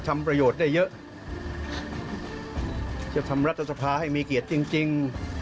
ทำประโยชน์ได้เยอะจะทำรัฐสภาให้มีเกียรติจริงจริง